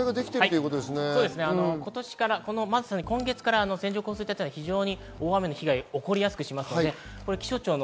今年から線状降水帯が非常に大雨の被害が起こりやすくなります。